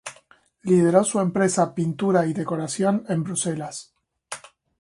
Lideró su empresa "Pintura y decoración" en Bruselas.